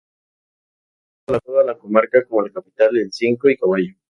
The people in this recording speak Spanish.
Horcajo es conocido en toda la comarca como la capital del cinco y caballo.